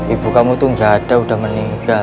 ibu kamu tuh nggak ada udah meninggal